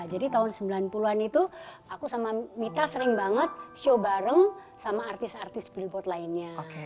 jadi tahun sembilan puluh an itu aku sama mita sering banget show bareng sama artis artis billboard lainnya